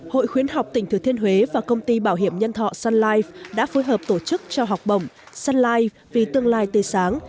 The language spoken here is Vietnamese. hội khuyến học tỉnh thừa thiên huế và công ty bảo hiểm nhân thọ sun life đã phối hợp tổ chức cho học bổng sun life vì tương lai tê sáng